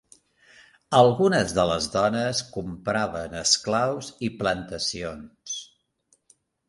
Algunes de les dones compraven esclaus i plantacions.